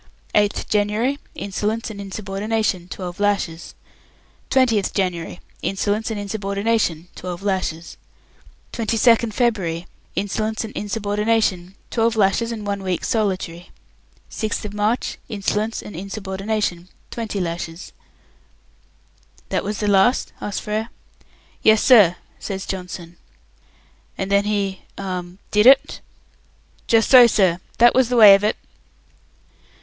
8th January, insolence and insubordination, 12 lashes. 20th January, insolence and insubordination, 12 lashes. 22nd February, insolence and insubordination, 12 lashes and one week's solitary. 6th March, insolence and insubordination, 20 lashes." "That was the last?" asked Frere. "Yes, sir," says Johnson. "And then he hum did it?" "Just so, sir. That was the way of it."